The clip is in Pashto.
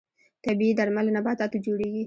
طبیعي درمل له نباتاتو جوړیږي